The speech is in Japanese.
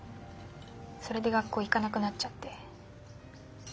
それで学校行かなくなっちゃって。